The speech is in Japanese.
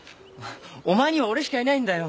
お前には俺しかいないんだよ。